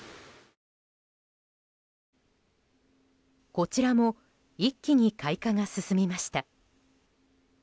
こちらも一気に開花が進みました。